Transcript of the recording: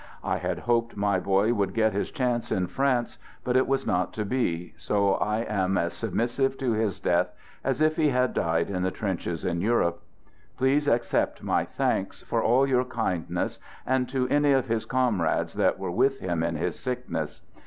I had hoped my boy would get his chance in France, but it was not to be, so I am as submissive to his death as if he had died in the trenches in Europe. Please accept my thanks for all your kindness and to any of his comrades that were with him in his sickness.